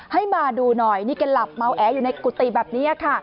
ให้มาดูหน่อยนี่แกหลับเมาแออยู่ในกุฏิแบบนี้ค่ะ